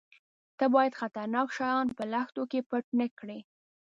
_ته بايد خطرناکه شيان په لښتو کې پټ نه کړې.